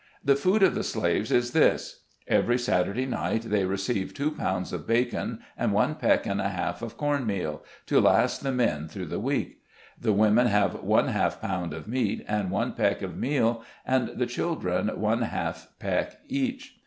The food of the slaves is this 3 every Saturday night, they receive two pounds of bacon, and one peck and a half of corn meal, to last the men through the week. The women have one half pound of meat, and one peck of meal, and the children one half peck each.